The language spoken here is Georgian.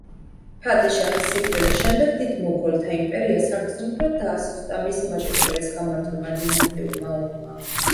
ფადიშაჰის სიკვდილის შემდეგ დიდ მოგოლთა იმპერია საგრძნობლად დაასუსტა მის ვაჟებს შორის გამართულმა დინასტიურმა ომმა.